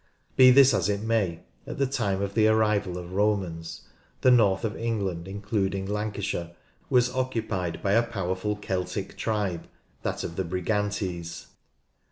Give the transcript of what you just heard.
Be this as it may, at the time of the arrival of the Romans, the north of England, including Lancashire, was occupied by a powerful Celtic tribe, that of the Brigantes.